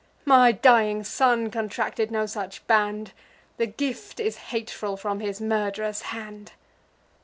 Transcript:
My dying son contracted no such band; The gift is hateful from his murd'rer's hand.